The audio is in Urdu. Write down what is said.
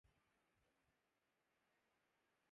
تیر بھی سینہٴ بسمل سے پرافشاں نکلا